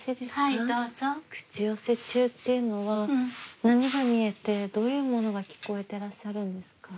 口寄せ中っていうのは何が見えてどういうものが聞こえてらっしゃるんですか？